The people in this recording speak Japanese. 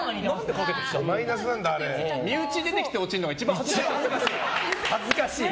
身内出てきて落ちるのが一番恥ずかしいね。